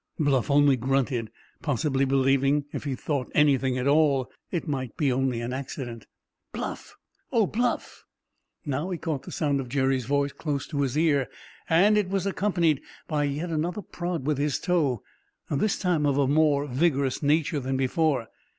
Bluff only grunted, possibly believing, if he thought anything at all, it might be only an accident. "Bluff—oh, Bluff!" Now he caught the sound of Jerry's voice close to his ear, and it was accompanied by yet another prod with his toe, this time of a more vigorous nature than before.